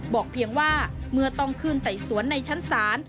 บอกเพียงว่าเมื่อต้องคืนไต่สวนในชั้นสาร